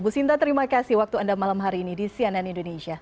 bu sinta terima kasih waktu anda malam hari ini di cnn indonesia